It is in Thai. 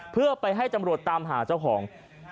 เพื่อไปให้ตำรวจตามหาเจ้าของ